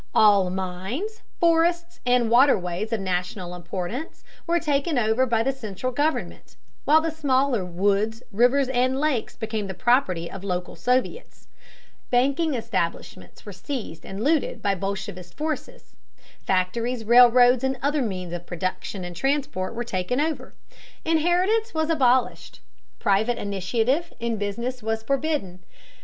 All mines, forests, and waterways of national importance were taken over by the central government, while the smaller woods, rivers, and lakes became the property of the local Soviets. Banking establishments were seized and looted by bolshevist forces. Factories, railroads, and other means of production and transport were taken over. Inheritance was abolished. Private initiative in business was forbidden.